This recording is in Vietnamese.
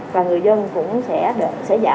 và người dân cũng sẽ giảm